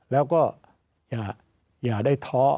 แล้วก็อย่าได้ท้อ